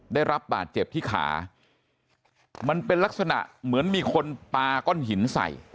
ได้รับบาดเจ็บที่ขามันเป็นลักษณะเหมือนมีคนปาก้อนหินใส่